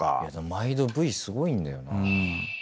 毎度Ｖすごいんだよな。